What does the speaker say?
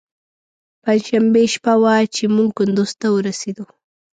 پنجشنبې شپه وه چې موږ کندوز ته ورسېدو.